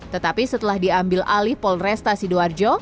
tetapi setelah diambil alih polresta sidoarjo